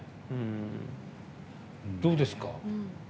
どうですか？